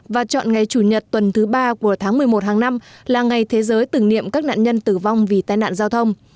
và chọn ngày chủ nhật tuần thứ ba của tháng một mươi một hàng năm là ngày thế giới tưởng niệm các nạn nhân tử vong vì tai nạn giao thông